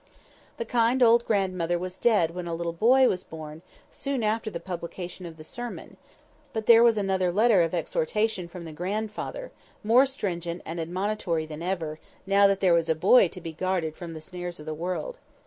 The kind old grandmother was dead when a little boy was born, soon after the publication of the sermon; but there was another letter of exhortation from the grandfather, more stringent and admonitory than ever, now that there was a boy to be guarded from the snares of the world.